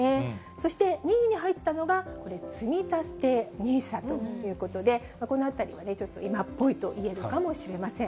そして２位に入ったのが、これ、つみたてＮＩＳＡということで、このあたりはちょっと、今っぽいといえるかもしれません。